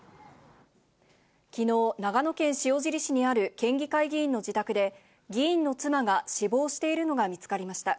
きのう、長野県塩尻市にある県議会議員の自宅で、議員の妻が死亡しているのが見つかりました。